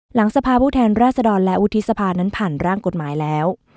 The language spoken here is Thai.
สภาพผู้แทนราชดรและวุฒิสภานั้นผ่านร่างกฎหมายแล้ว